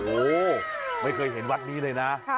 โอ้โหไม่เคยเห็นวัดนี้เลยนะ